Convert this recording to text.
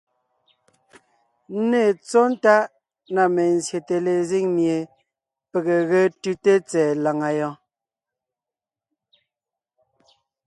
Nê tsɔ̌ tàʼ na mezsyète lezíŋ mie pege ge tʉ́te tsɛ̀ɛ làŋa yɔɔn.